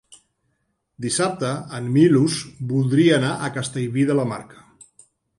Dissabte en Milos voldria anar a Castellví de la Marca.